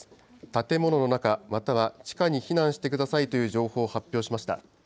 建物の中、または地下に避難してくださいという情報を発表しました。